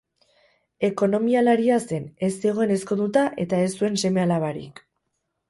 Ekonomialaria zen, ez zegoen ezkonduta eta ez zuen seme-alabarik.